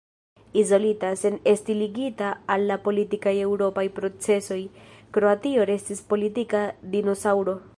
Izolita, sen esti ligita al la politikaj eŭropaj procesoj, Kroatio restis politika dinosaŭro.